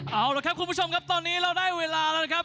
เอาล่ะครับคุณผู้ชมครับตอนนี้เราได้เวลาแล้วนะครับ